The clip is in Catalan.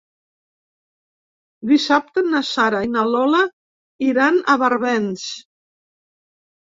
Dissabte na Sara i na Lola iran a Barbens.